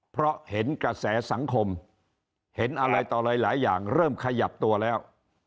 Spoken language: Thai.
เพราะเห็นกระแสสังคมเห็นอะไรต่อหลายอย่างเริ่มขยับตัวแล้ว